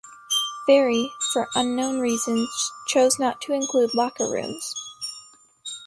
Ferry, for unknown reasons chose not to include locker rooms.